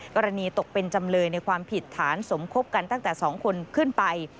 ตกเป็นจำเลยในความผิดฐานสมคบกันตั้งแต่๒คนขึ้นไป